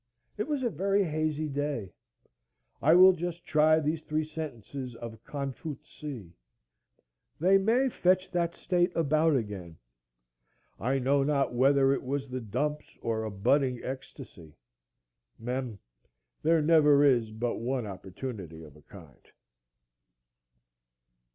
It was a very hazy day. I will just try these three sentences of Con fut see; they may fetch that state about again. I know not whether it was the dumps or a budding ecstasy. Mem. There never is but one opportunity of a kind.